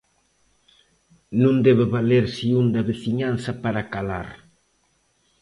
Non debe valerse un da veciñanza para calar.